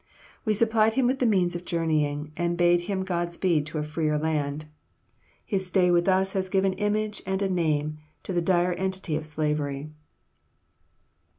We supplied him with the means of journeying, and bade him Godspeed to a freer land. His stay with us has given image and a name to the dire entity of slavery."